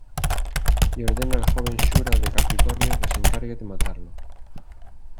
Y ordena al joven Shura de Capricornio que se encargue de matarlo.